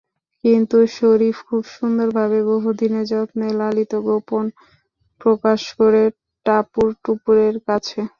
কিন্তু শরীফ খুব সুন্দরভাবে বহুদিনের যত্নে লালিত গোপন প্রকাশ করে টাপুর-টুপুরের কাছে।